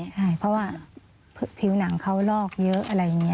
ใช่เพราะว่าผิวหนังเขาลอกเยอะอะไรอย่างนี้